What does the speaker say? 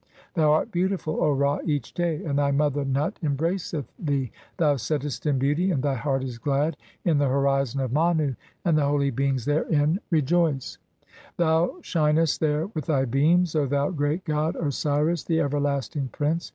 'Thou art beautiful, (14) O Ra, each day, and thv mother Nut 'embraceth thee ; thou settest in beauty, and thv heart is glad '(15) in the horizon of Manu, and the holy beings therein re 'joice. (16) Thou shinest there with thy beams, O thou great god, 'Osiris, the everlasting Prince.